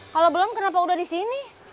kalau belum kenapa udah di sini